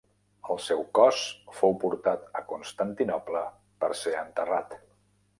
El seu cos fou portat a Constantinoble per ser enterrat.